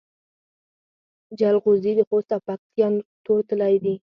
جلغوزي د خوست او پکتیا تور طلایی دي.